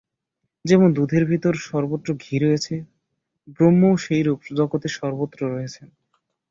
যেমন দুধের ভিতর সর্বত্র ঘি রয়েছে, ব্রহ্মও সেইরূপ জগতের সর্বত্র রয়েছেন।